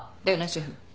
シェフ。